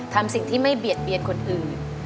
ทำสิ่งที่ไม่เบียดเบียนคนอื่น